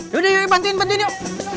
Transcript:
yaudah yuk bantuin bantuin yuk